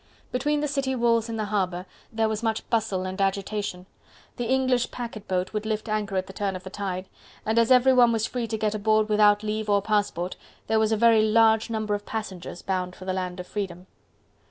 Between the city walls and the harbour there was much bustle and agitation. The English packet boat would lift anchor at the turn of the tide, and as every one was free to get aboard without leave or passport, there were a very large number of passengers, bound for the land of freedom.